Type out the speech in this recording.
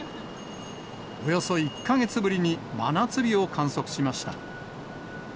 およそ１か月ぶりに真夏日を観測しました。